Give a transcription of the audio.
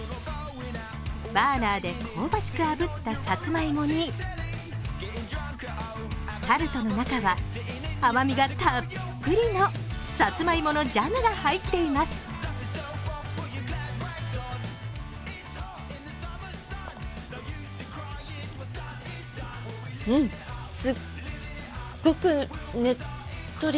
バーナーで香ばしくあぶったさつまいもにタルトの中は甘みがたっぷりのさつまいものジャムが入っています。